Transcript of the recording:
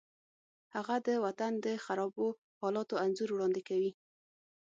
هغه د وطن د خرابو حالاتو انځور وړاندې کوي